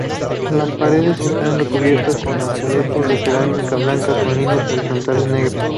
Las paredes están recubiertas de azulejos de cerámica blanca con líneas horizontales negras.